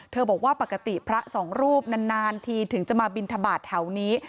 บอกว่าปกติพระสองรูปนานทีถึงจะมาบินทบาทแถวนี้